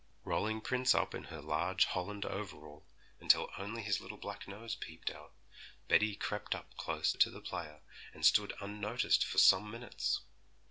Rolling Prince up in her large holland overall, until only his little black nose peeped out, Betty crept up close to the player, and stood unnoticed for some minutes.